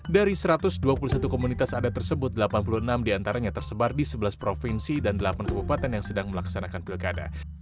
dari satu ratus dua puluh satu komunitas adat tersebut delapan puluh enam diantaranya tersebar di sebelas provinsi dan delapan kabupaten yang sedang melaksanakan pilkada